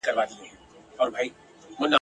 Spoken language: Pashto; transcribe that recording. ستا تر کړکۍ لاندي به په سرو اوښکو کي غلی وي !.